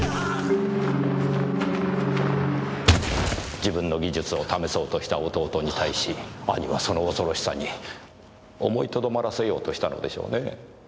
自分の技術を試そうとした弟に対し兄はその恐ろしさに思いとどまらせようとしたのでしょうねぇ。